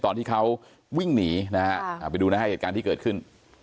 ตอนที่เขาวิ่งหนีนะฮะไปดูนะฮะเหตุการณ์ที่เกิดขึ้น